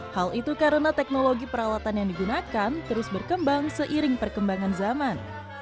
hal itu karena teknologi peralatan yang digunakan terus berkembang seiring perkembangan zaman